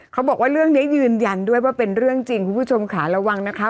เขาบอกว่าเรื่องนี้ยืนยันด้วยว่าเป็นเรื่องจริงคุณผู้ชมค่ะระวังนะคะ